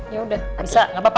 yaudah bisa nggak apa apa